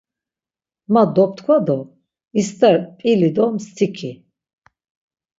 Ma doptkva do ist̆er p̌ili do mst̆iki.